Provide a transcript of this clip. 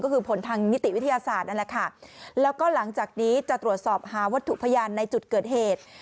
ก็คือผลทางนิติวิทยาศาสตร์นั่นแหละค่ะแล้วก็หลังจากนี้จะตรวจสอบหาวัตถุพยานในจุดเกิดเหตุ